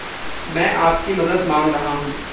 मैं आपकी मदद माँग रहा हूँ।